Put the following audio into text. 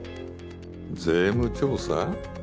税務調査？